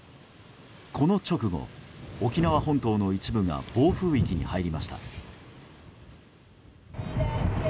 この直後、沖縄本島の一部が暴風域に入りました。